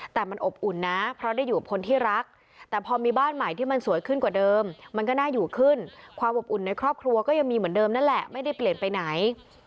แต่มันอบอุ่นนะเพราะได้อยู่กับคนที่รักแต่พอมีบ้านใหม่ที่มันสวยขึ้นกว่าเดิมมันก็น่าอยู่ขึ้นความอบอุ่นในครอบครัวก็ยังมีเหมือนเดิมนั่นแหละไม่ได้เปลี่ยนไปไหน